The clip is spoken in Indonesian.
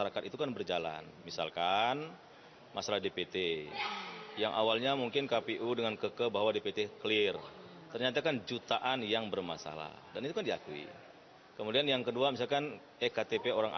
kpu juga akhirnya kaget